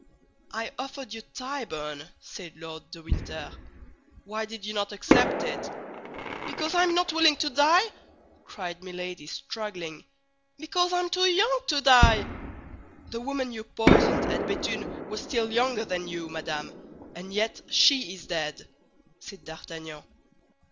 "I offered you Tyburn," said Lord de Winter. "Why did you not accept it?" "Because I am not willing to die!" cried Milady, struggling. "Because I am too young to die!" "The woman you poisoned at Béthune was still younger than you, madame, and yet she is dead," said D'Artagnan.